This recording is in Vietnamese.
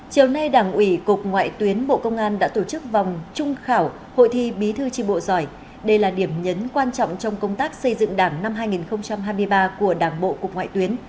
chiều nay đảng ủy cục ngoại tuyến bộ công an đã tổ chức vòng trung khảo hội thi bí thư tri bộ giỏi đây là điểm nhấn quan trọng trong công tác xây dựng đảng năm hai nghìn hai mươi ba của đảng bộ cục ngoại tuyến